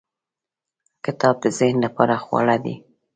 • کتاب د ذهن لپاره خواړه دی.